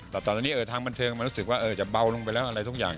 แต่ตอนนี้ทางบันเทิงมันรู้สึกว่าจะเบาลงไปแล้วอะไรทุกอย่าง